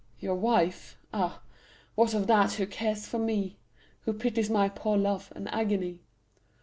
Your wife? Ah, what of that, who cares for me? Who pities my poor love and agony?